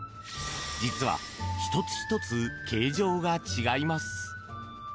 実は、１つ１つ形状が違います。